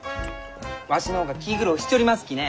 わしの方が気苦労しちょりますきね。